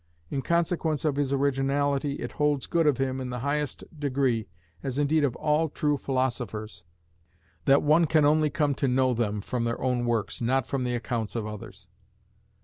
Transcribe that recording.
In consequence of his originality, it holds good of him in the highest degree, as indeed of all true philosophers, that one can only come to know them from their own works, not from the accounts of others.